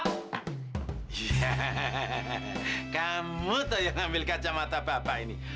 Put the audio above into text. iya kamu tuh yang ngambil kacamata bapak ini